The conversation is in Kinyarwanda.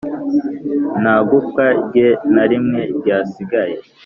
Nta gufwa rye na rimwe ryasigaye